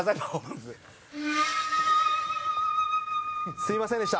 すいませんでした。